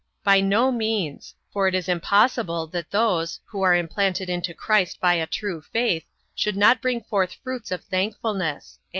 By no means: for it is impossible that those, who are implanted into Christ by a true faith, should not bring forth fruits of thankfulness.